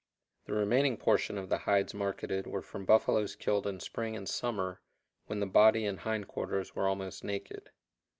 The remaining portion of the hides marketed were from buffaloes killed in spring and summer, when the body and hindquarters ware almost naked.